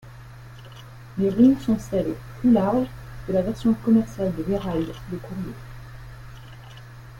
Les roues sont celles, plus larges, de la version commerciale de l'Herald, le Courier.